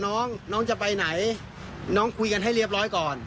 น้องน้องจะไปไหนน้องคุยกันให้เรียบร้อยก่อน